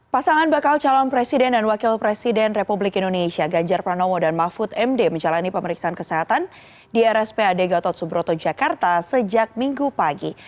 pasangan bakal calon presiden dan wakil presiden republik indonesia ganjar pranowo dan mahfud md menjalani pemeriksaan kesehatan di rspad gatot subroto jakarta sejak minggu pagi